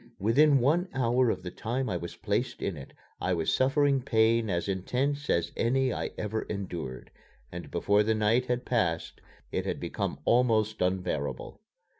Within one hour of the time I was placed in it I was suffering pain as intense as any I ever endured, and before the night had passed it had become almost unbearable.